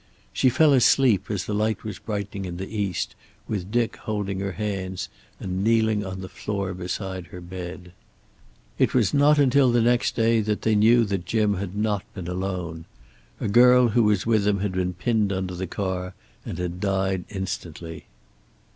She fell asleep as the light was brightening in the East, with Dick holding her hands and kneeling on the floor beside her bed. It was not until the next day that they knew that Jim had not been alone. A girl who was with him had been pinned under the car and had died instantly.